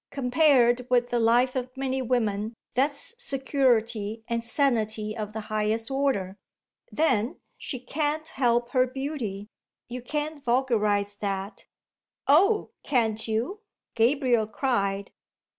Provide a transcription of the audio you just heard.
"Compared with the life of many women that's security and sanity of the highest order. Then she can't help her beauty. You can't vulgarise that." "Oh, can't you?" Gabriel cried.